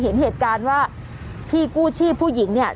เห็นเหตุการณ์ว่าพี่กู้ชีพผู้หญิงเนี่ย